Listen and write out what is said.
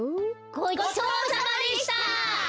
ごちそうさまでした！